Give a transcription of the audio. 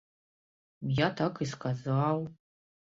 Я так і сказаў.